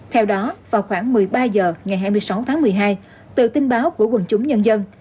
theo đó vào khoảng một mươi ba h ngày hai mươi sáu tháng một mươi hai từ tin báo của quần chúng nhân dân